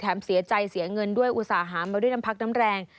เสียใจเสียเงินด้วยอุตส่าห์มาด้วยน้ำพักน้ำแรง